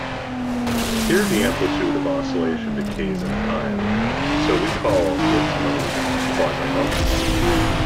Here the amplitude of oscillation decays in time, so we call its modes "quasi-normal".